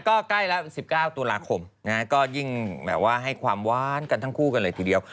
ก็ได้ละ๑๙ตุลาคมนะจะมีความว้านต่อเองเลยที่เดี๋ยว